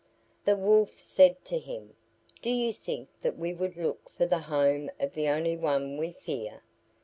The Wolf said to him, "Do you think that we would look for the home of the only one we fear?